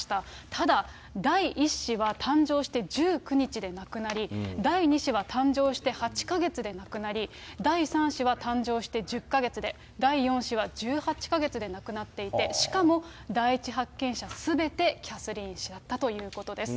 ただ、第１子は誕生して１９日で亡くなり、第２子は誕生して８か月で亡くなり、第３子は誕生して１０か月で、第４子は１８か月で亡くなっていて、しかも、第一発見者、すべてキャスリーン氏だったということです。